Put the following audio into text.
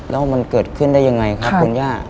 แล้วมันเกิดขึ้นได้ยังไงครับคุณย่า